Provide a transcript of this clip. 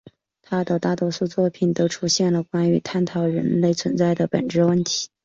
他的大多数作品中都出现了关于探讨人类存在的本质问题。